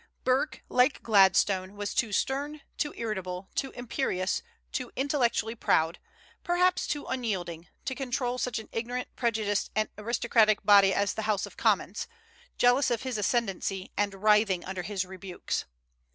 Burke, like Gladstone, was too stern, too irritable, too imperious, too intellectually proud, perhaps too unyielding, to control such an ignorant, prejudiced, and aristocratic body as the House of Commons, jealous of his ascendency and writhing under his rebukes.